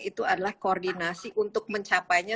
itu adalah koordinasi untuk mencapainya